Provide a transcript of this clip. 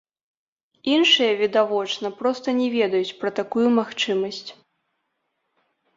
Іншыя, відавочна, проста не ведаюць пра такую магчымасць.